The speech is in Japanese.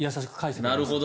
なるほど。